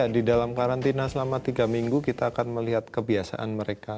di dalam karantina selama tiga minggu kita akan melihat kebiasaan mereka